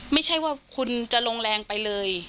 ไม่ใช่ว่าคุณจะลงแรงไปเลย